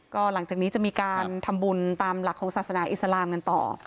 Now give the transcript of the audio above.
ก็หลังจากนี้จะมีการทำบุญตามหลักของศาสนาอิสลามกันต่อ